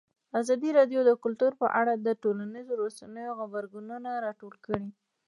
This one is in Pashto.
ازادي راډیو د کلتور په اړه د ټولنیزو رسنیو غبرګونونه راټول کړي.